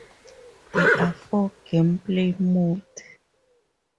There are four gameplay modes.